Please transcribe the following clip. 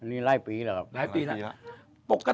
อันนี้ไล่ปีแล้วครับไล่ปีแล้วครับ